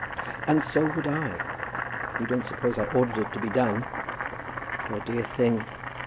"And so would I. You don't suppose I ordered it to be done. Poor dear thing.